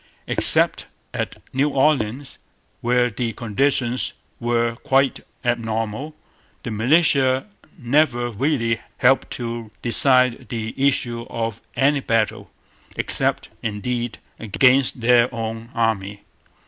Except at New Orleans, where the conditions were quite abnormal, the militia never really helped to decide the issue of any battle, except, indeed, against their own army.